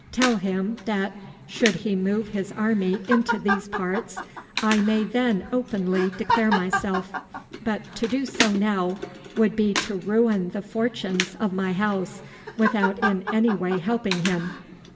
Tell him that, should he move his army into these parts, I may then openly declare myself; but to do so now would be to ruin the fortunes of my house, without in any way helping him.